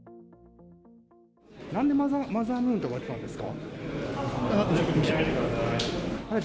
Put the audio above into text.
なんでマザームーンって呼ばれてたんですか？